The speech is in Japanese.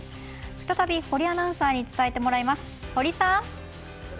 再び堀アナウンサーに伝えてもらいます。